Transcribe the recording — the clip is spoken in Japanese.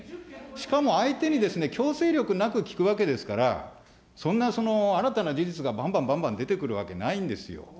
しかも相手に強制力なく聞くわけですから、そんな新たな事実がばんばんばんばん出てくるわけないんですよ。